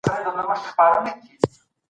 کروندګر هم کيدای سي په کلیو کي ژوند وکړي.